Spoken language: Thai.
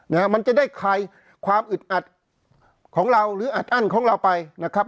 นะฮะมันจะได้คลายความอึดอัดของเราหรืออัดอั้นของเราไปนะครับ